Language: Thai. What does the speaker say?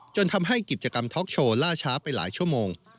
จนทำให้กิจกรรมท็อกโชว์ล่าช้าไปหลายชั่วโมง